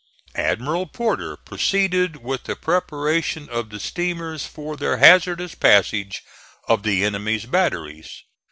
Admiral Porter proceeded with the preparation of the steamers for their hazardous passage of the enemy's batteries.